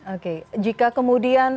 oke jika kemudian